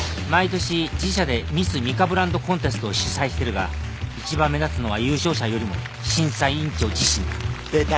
毎年自社でミスミカブランドコンテストを主催してるが一番目立つのは優勝者よりも審査委員長自身だ。